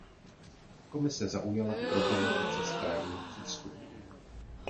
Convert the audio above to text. Komise zaujala k problematice správný přístup.